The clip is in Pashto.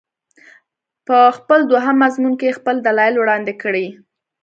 په خپل دوهم مضمون کې یې خپل دلایل وړاندې کړي.